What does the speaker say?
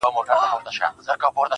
شــاعــر دمـيـني ومه درد تــه راغــلـم.